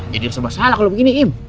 jadi apa masalah kalau begini im